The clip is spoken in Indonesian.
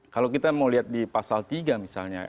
kalau kita mau lihat di pasal tiga misalnya